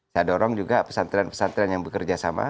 saya dorong juga pesantren pesantren yang bekerja sama